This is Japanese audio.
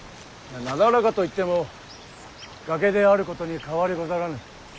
なだらかといっても崖であることに変わりござらぬ。